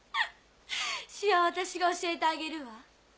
詩は私が教えてあげるわ。